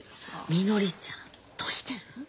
みのりちゃんどうしてる？